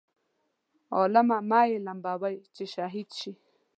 عالمه مه یې لمبوئ چې شهید شي.